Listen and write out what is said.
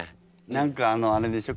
何かあのあれでしょ